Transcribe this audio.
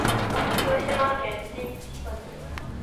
福島県新地町